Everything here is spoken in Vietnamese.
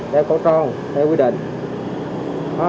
đeo cổ tròn theo quy định